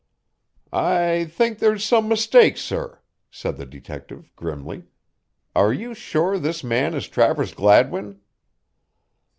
"I think there's some mistake, sir," said the detective, grimly. "Are you sure this man is Travers Gladwin?"